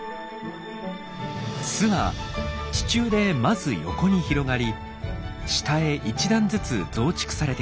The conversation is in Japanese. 巣は地中でまず横に広がり下へ１段ずつ増築されていきます。